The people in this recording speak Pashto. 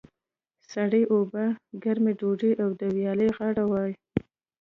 سړې اوبه، ګرمه ډودۍ او د ویالې غاړه وای.